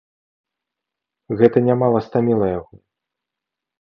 Гэта нямала стаміла яго.